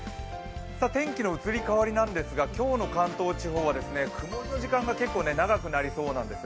天気の移り変わりですが、今日の関東地方は曇りの時間が長くなりそうです。